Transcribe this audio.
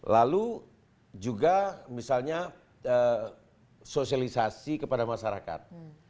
lalu juga misalnya sosialisasi kepada masyarakat